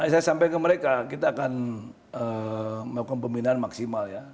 saya sampaikan ke mereka kita akan melakukan pembinaan maksimal ya